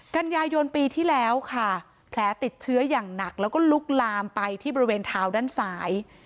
กันยายนปีที่แล้วค่ะแผลติดเชื้ออย่างหนักแล้วก็ลุกลามไปที่บริเวณเท้าด้านซ้าย